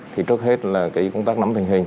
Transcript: thì trước hết là công tác nắm thành hình